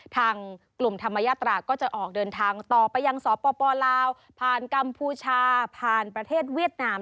ทางกลุ่มธรรมยาตราก็จะออกเดินทางต่อไปยังสปลาวผ่านกัมพูชาผ่านประเทศเวียดนาม